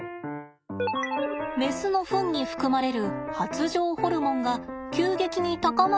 メスのフンに含まれる発情ホルモンが急激に高まる日があります。